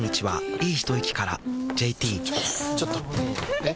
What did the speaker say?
えっ⁉